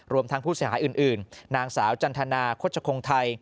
รวมทางผู้สหายอื่นนางสาวจันทนาโคชคงไทย